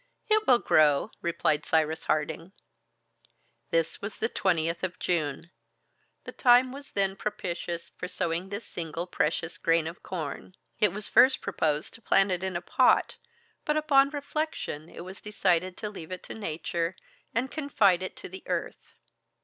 "It will grow," replied Cyrus Harding. This was the 20th of June. The time was then propitious for sowing this single precious grain of corn. It was first proposed to plant it in a pot, but upon reflection it was decided to leave it to nature, and confide it to the earth.